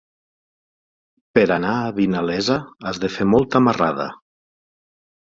Per anar a Vinalesa has de fer molta marrada.